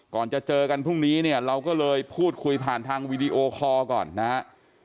ก่อนจะเจอกันพรุ่งนี้เนี่ยเราก็เลยพูดคุยผ่านทางวีดีโอคอร์ก่อนนะครับ